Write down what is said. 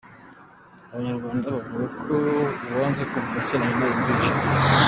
Abanyarwanda bavuga ko “Uwanze kumvira Se na Nyina yumviye ijeri”.